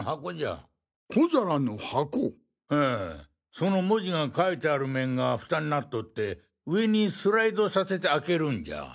その文字が書いてある面がフタになっとって上にスライドさせて開けるんじゃ。